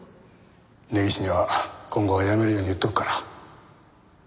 根岸には今後はやめるように言っておくから。